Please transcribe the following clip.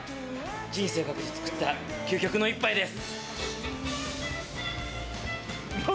人生懸けて作った究極の一杯です。